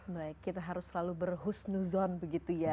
baik kita harus selalu berhusnuzon begitu ya